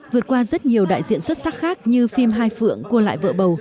vượt qua rất nhiều đại diện xuất sắc khác như phim hai phượng cua lại vợ bầu